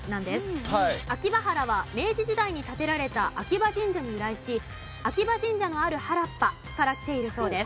あきばはらは明治時代に建てられた秋葉神社に由来し秋葉神社のある原っぱからきているそうです。